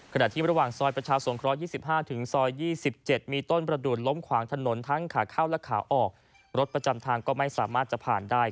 ขณะที่ระหว่างซอยประชาสงเคราะห์๒๕ถึงซอย๒๗มีต้นประดูดล้มขวางถนนทั้งขาเข้าและขาออกรถประจำทางก็ไม่สามารถจะผ่านได้